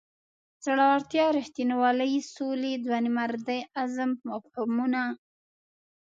زړورتیا رښتینولۍ سولې ځوانمردۍ عزم مفهومونه.